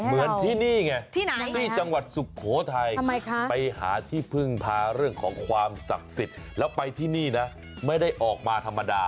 เหมือนที่นี่ไงที่จังหวัดสุโขทัยไปหาที่พึ่งพาเรื่องของความศักดิ์สิทธิ์แล้วไปที่นี่นะไม่ได้ออกมาธรรมดา